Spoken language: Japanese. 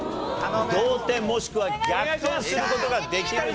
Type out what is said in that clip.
同点もしくは逆転する事ができるんでしょうか？